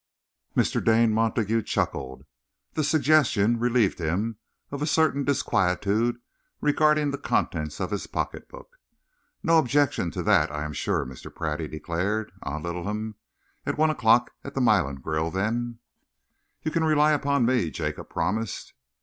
Mr. Dane Montague chuckled. The suggestion relieved him of a certain disquietude regarding the contents of his pocketbook. "No objection to that, I am sure, Mr. Pratt," he declared. "Eh, Littleham? At one o'clock at the Milan Grill, then." "You can rely upon me," Jacob promised.